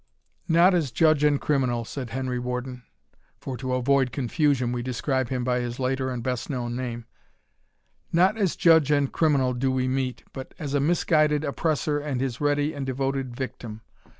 "Not as judge and criminal," said Henry Warden, for to avoid confusion we describe him by his later and best known name "Not as judge and criminal do we meet, but as a misguided oppressor and his ready and devoted victim.